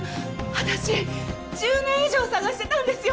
私１０年以上探してたんですよ